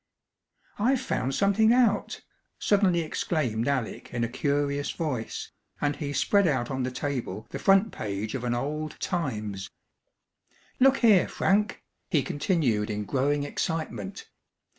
"I've found something out!" suddenly exclaimed Alec in a curious voice, and he spread out on the table the front page of an old Times. "Look here, Frank!" he continued in growing excitement.